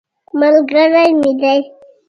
ملګری مې دی.